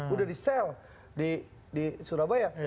udah di sel di surabaya